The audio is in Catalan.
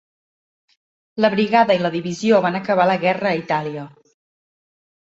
La brigada i la divisió van acabar la guerra a Itàlia.